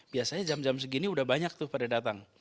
biasanya jam jam segini sudah banyak pada datang